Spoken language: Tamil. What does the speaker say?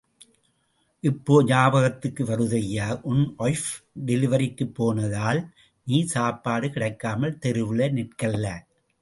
இப்போ ஞாபகத்துக்கு வருதுய்யா... ஒன் ஒய்ப் டெலிவரிக்குப் போனதால, நீ சாப்பாடு கிடைக்காமல் தெருவுல நிற்கல்ல?